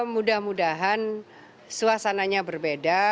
mudah mudahan suasananya berbeda